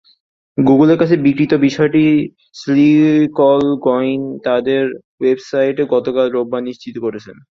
গুগলের কাছে বিক্রির বিষয়টি স্লিকলগইন তাদের ওয়েবসাইটে গতকাল রোববার নিশ্চিত করেছে।